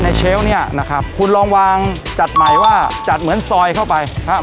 เชลล์เนี่ยนะครับคุณลองวางจัดใหม่ว่าจัดเหมือนซอยเข้าไปครับ